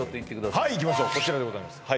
はいこちらでございます